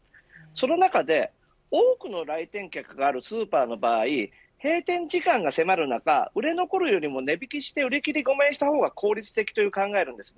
その中で多くの来店客があるスーパーの場合閉店時間が迫る中売れ残るよりも値引きして売り切れにした方が効率的という考えです。